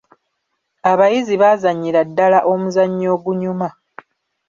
Abayizi baazannyira ddala omuzanyo ogunyuma.